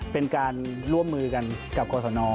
เป็นการร่วมมือกันกับกรสน